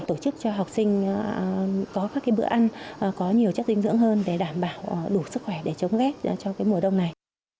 tổ chức cho học sinh có các bữa ăn có nhiều chất dinh dưỡng hơn để đảm bảo đủ sức khỏe để chống rét cho mùa đông này